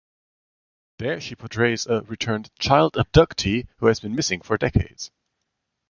There she portrays a returned 'child abductee' who has been missing for decades.